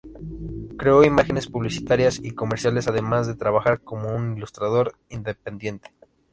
Creó imágenes publicitarias y comerciales, además de trabajar como un ilustrador independiente.